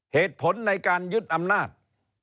เหตุผลในการยึดอำนาจ